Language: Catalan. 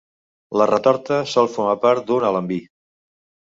La retorta sol formar part d'un alambí.